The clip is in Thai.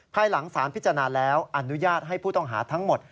ภายหลังสารพิจารณาแล้วอนุญาตให้ผู้ต้องหาทั้งหมด